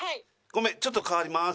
ごめんちょっと代わります。